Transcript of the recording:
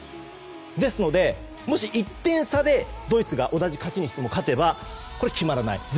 ですので、もし１点差でドイツが同じ勝ちにしても勝てばこれは決まらない。